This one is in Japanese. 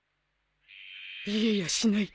言えやしない。